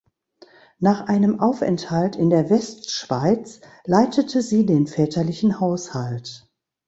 Nach einem Aufenthalt in der Westschweiz leitete sie den väterlichen Haushalt.